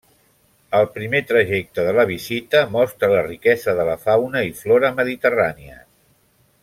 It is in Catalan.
El primer trajecte de la visita mostra la riquesa de la fauna i flora mediterrànies.